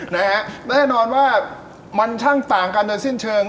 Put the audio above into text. แน่นอนว่ามันช่างต่างกันในสิ้นเชิง